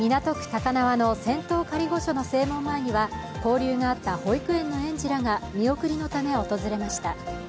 高輪の仙洞仮御所の正門前には交流があった保育園の園児らが見送りのため訪れました。